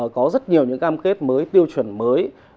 có rất nhiều những cam kết mới tiêu chuẩn mới